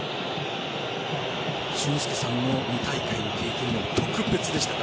俊輔さんの２大会の経験でも特別でしたか。